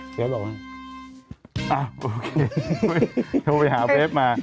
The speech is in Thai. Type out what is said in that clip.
โทรไปหาเฟซมา